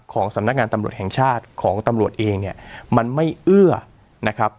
สำนักงานตำรวจแห่งชาติของตำรวจเองเนี่ยมันไม่เอื้อนะครับ